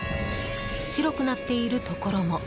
白くなっているところも。